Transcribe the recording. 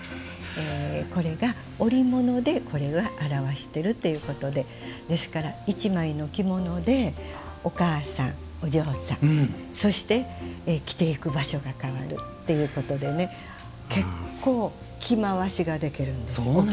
これが、織物で表しているということでですから、１枚の着物でお母さん、お嬢さんそして着ていく場所が変わるっていうことで結構、着回しができるんですよ。